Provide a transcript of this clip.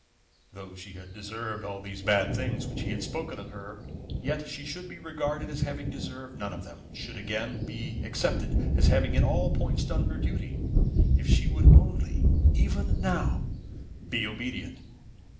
Though she had deserved all these bad things which he had spoken of her, yet she should be regarded as having deserved none of them, should again be accepted as having in all points done her duty, if she would only, even now, be obedient.